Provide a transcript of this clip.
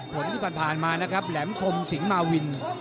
ผลที่ผ่านมานะครับแหลมคมสิงหมาวิน